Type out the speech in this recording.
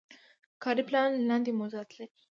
کاري پلان لاندې موضوعات لري.